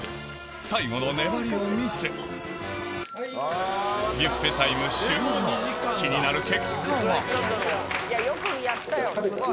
最後の粘りを見せビュッフェタイム終了気になる結果は？